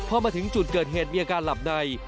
พอมาถึงจุดเกิดเหตุมีอาการหลับใน